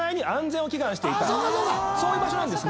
そういう場所なんですね。